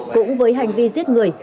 cũng với hành vi giết người